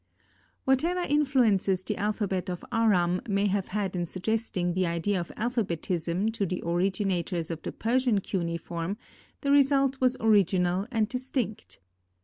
Whatever influences the alphabet of Aram may have had in suggesting the idea of alphabetism to the originators of the Persian cuneiform, the result was original and distinct.